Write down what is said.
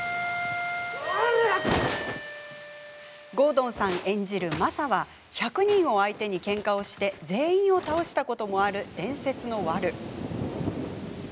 郷敦さん演じるマサは１００人を相手にけんかをして全員を倒したこともある伝説のワル。